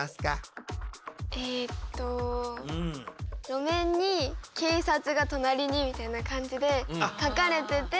路面に「警察が隣に」みたいな感じで描かれてて。